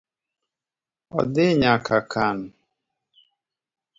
Odhi nyaka kan.